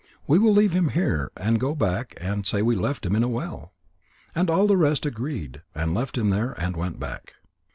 We will leave him here and go back and say we have left him in a well." And all the rest agreed, and left him there, and went back.